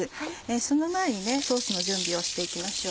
その前にソースの準備をしていきましょう。